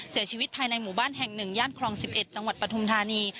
เสียชีวิตภายในหมู่บ้านแห่ง๑ย่านคลอง๑๑จังหวัดปฐุมธานี